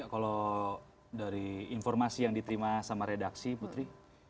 kalau dari informasi yang diterima sama redaksi putri